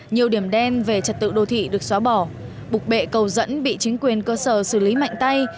nhiều điểm đen về trật tự đô thị được xóa bỏ bục bệ cầu dẫn bị chính quyền cơ sở xử lý mạnh tay